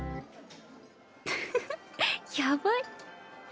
フフフッやばい。